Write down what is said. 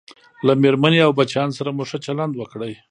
له میرمنې او بچیانو سره مو ښه چلند وکړئ